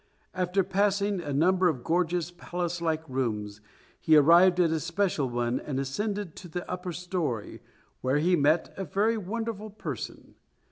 After passing a number of gorgeous, palace like rooms, he arrived at a special one and ascended to the upper storey, where he met a very wonderful person.